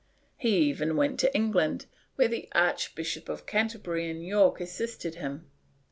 He even went to England, where the Archbishops of Canterbury and York assisted him.